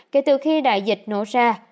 kể từ khi đại dịch nổ ra